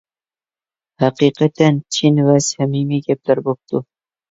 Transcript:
ھەقىقەتەن چىن ۋە سەمىمىي گەپلەر بوپتۇ.